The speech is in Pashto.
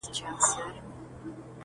کارګه وویل خبره دي منمه -